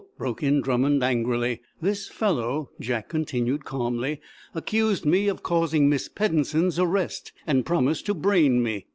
broke in Drummond, angrily. "This fellow," Jack continued, calmly, "accused me of causing Miss Peddensen's arrest, and promised to brain me."